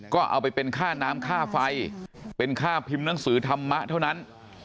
ก็เอาไปเป็นค่าน้ำค่าไฟเป็นค่าพิมพ์หนังสือธรรมะเท่านั้น